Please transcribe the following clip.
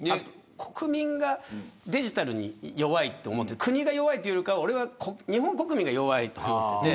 国民がデジタルに弱いと思っていて国が弱いというより日本国民が弱いと思っていて。